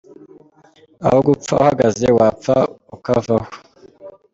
Aho gupfa uhagaze wapfa ukavaho .